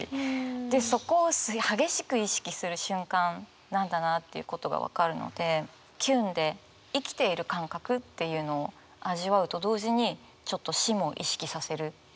でそこを激しく意識する瞬間なんだなっていうことが分かるのでキュンで生きている感覚っていうのを味わうと同時にちょっと死も意識させるっていうぐらいの。